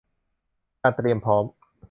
การเตรียมพร้อม